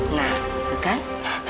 nah itu kan